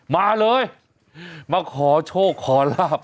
มาเลยมาขอโชคขอลาบ